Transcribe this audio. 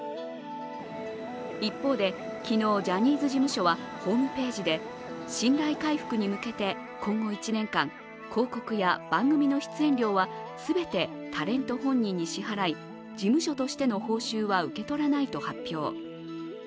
一方で、昨日ジャニーズ事務所はホームページで、信頼回復に向けて今後１年間、広告や番組の出演料は全てタレント本人に支払い、事務所としての報酬は受け取らないと発表。